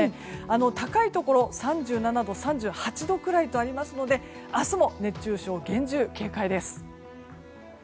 高いところは３７度３８度くらいとありますので明日も熱中症、厳重警戒です。